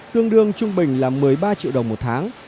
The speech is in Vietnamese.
tương đương trung bình là một mươi ba triệu đồng một tháng